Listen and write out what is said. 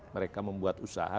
mereka membuat usaha